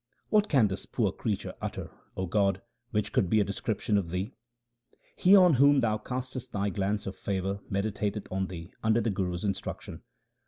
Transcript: What can this poor creature utter, O God, which would be a description of Thee ? He on whom Thou castest Thy glance of favour, medi tateth on Thee under the Guru's instruction.